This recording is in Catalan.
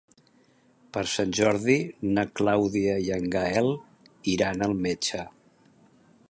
Per Sant Jordi na Clàudia i en Gaël iran al metge.